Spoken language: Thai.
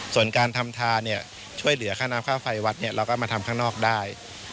ส่วนการทำทาเนี่ยช่วยเหลือค่าน้ำค่าไฟวัดเราก็มาทำข้างนอกได้